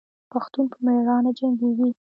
پښتون په میړانه جنګیږي.